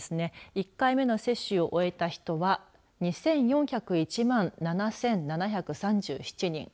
１回目の接種を終えた人は２４０１万７７３７人。